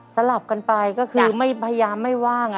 สลับกันไปก็คือไม่พยายามไม่ว่าง